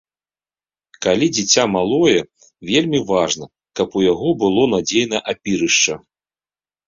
Калі дзіця малое, вельмі важна, каб у яго было надзейнае апірышча.